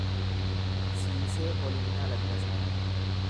Siisee Olinnaa Laggasaa